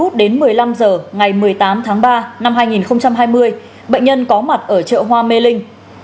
một mươi bốn h ba mươi đến một mươi năm h ngày một mươi tám tháng ba năm hai nghìn hai mươi bệnh nhân có mặt ở chợ hoa mê linh